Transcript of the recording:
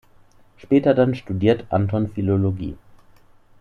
Später dann studiert Anton Philologie.